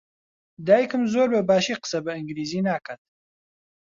دایکم زۆر بەباشی قسە بە ئینگلیزی ناکات.